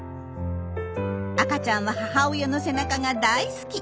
赤ちゃんは母親の背中が大好き。